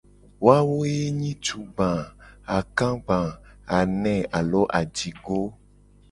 Woa wo ye nyi tugba, akagba, ane alo ajigo.